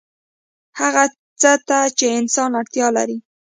هغه څه ته چې انسان اړتیا لري